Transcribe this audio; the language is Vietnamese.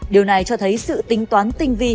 điều này cho thấy sự tính toán tinh vi